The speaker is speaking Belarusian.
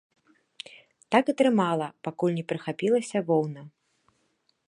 Так і трымала, пакуль не прыхапілася воўна.